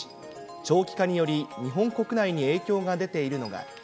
長期化により、日本国内に影響が出ているのが。